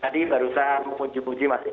tadi barusan memuji puji mas hikbar